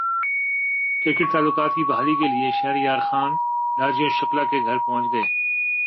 cricket تعلقات کی بحالی کیلئے شہریار خان راجیو شکلا کے گھرپہنچ گئے